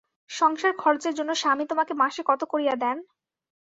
সংসার-খরচের জন্য স্বামী তোমাকে মাসে কত করিয়া দেন?